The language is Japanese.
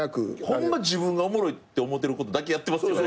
ホンマ自分がおもろいって思ってることだけやってますよね。